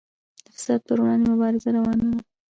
د فساد پر وړاندې مبارزه روانه ده